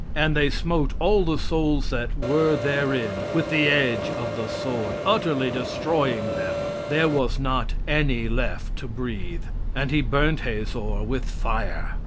"And they smote all the souls that were therein with the edge of the sword, utterly destroying them: there was not any left to breathe; and he burnt Hazor with fire.